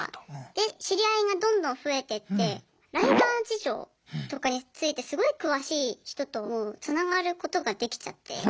で知り合いがどんどん増えてってライバー事情とかについてすごい詳しい人ともつながることができちゃって。